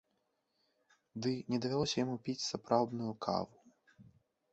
Ды не давялося яму піць сапраўдную каву.